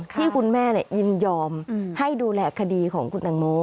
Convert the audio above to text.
ที่คุณแม่ยินยอมให้ดูแลคดีของคุณตังโม